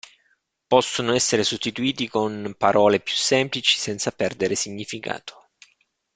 Possono essere sostituiti con parole più semplici senza perdere significato.